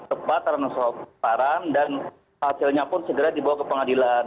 cepat terhadap seorang suatu parang dan hasilnya pun segera dibawa ke pengadilan